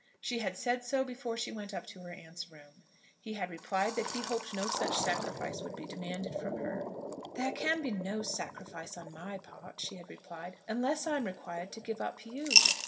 She had said so before she went up to her aunt's room. He had replied that he hoped no such sacrifice would be demanded from her. "There can be no sacrifice on my part," she had replied, "unless I am required to give up you."